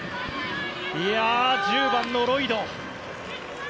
１０番のロイド。